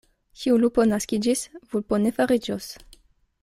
Kiu lupo naskiĝis, vulpo ne fariĝos.